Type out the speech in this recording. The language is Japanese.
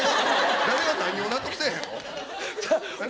誰が何を納得せえへんの？